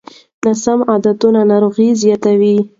ناسم عادتونه ناروغۍ زیاتوي.